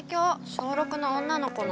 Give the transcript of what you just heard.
小６の女の子の。